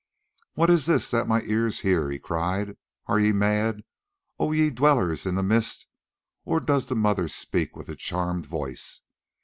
"What is this that my ears hear?" he cried. "Are ye mad, O ye Dwellers in the Mist? Or does the Mother speak with a charmed voice?